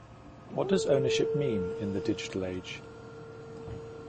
What does ownership mean in the digital age?